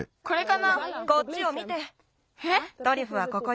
トリュフはここよ。